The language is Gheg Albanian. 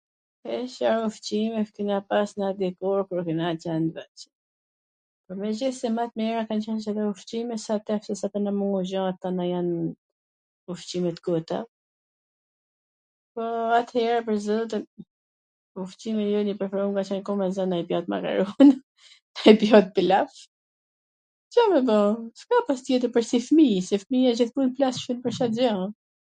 E Cfar ushqimesh kena pas ne dikur pwr t u knaq... Megjithse ma t mira kan qen ato ushqime se kto... jan ushqime t kota, po atere pwr zotin ushqimi jon i preferuar ka qen ku me gjet ndonj pjat makarona e nj pjat pilaf, Ca me bo, asht tjetwr pwr si fmij, se fmija gjithmon ...